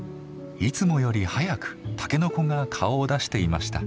いつもより早くタケノコが顔を出していました。